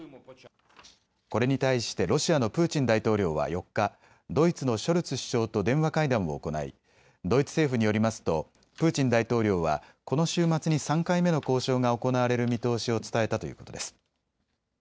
これに対してロシアのプーチン大統領は４日、ドイツのショルツ首相と電話会談を行いドイツ政府によりますとプーチン大統領はこの週末に３回目の交渉が行われる見通しを伝えたということです。